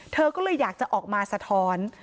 เธอก็เลยอยากจะออกมาสะท้อน